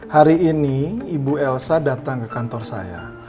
hari ini ibu elsa datang ke kantor saya